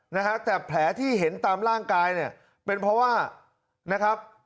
นะฮะแต่แผลที่เห็นตามร่างกายเนี่ยเป็นเพราะว่านะครับ